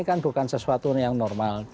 ini kan bukan sesuatu yang normal